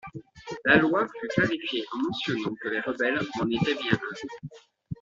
La loi fut clarifiée en mentionnant que les rebelles en étaient bien un.